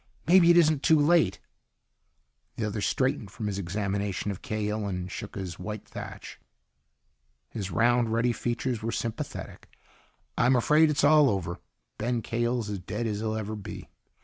"Maybe it isn't too late." The other straightened from his examination of Cahill and shook his white thatch. His round, ruddy features were sympathetic. "I'm afraid it's all over. Ben Cahill's as dead as he'll ever be.